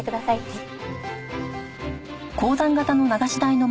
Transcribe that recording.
はい。